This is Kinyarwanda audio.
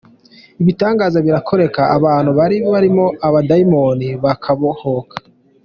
Ibitangaza birakoreka abantu bari barimo amadayimoni bakabohoka